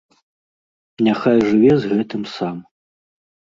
Няхай жыве з гэтым сам.